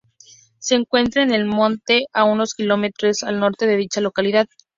Se encuentra en el monte, a unos kilómetros al norte de dicha localidad.